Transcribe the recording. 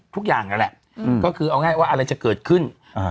ทุกอย่างนั่นแหละอะไรจะเกิดขึ้น